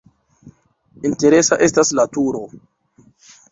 Interesa estas la turo.